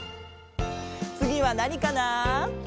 つぎはなにかな？